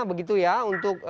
begitu ya untuk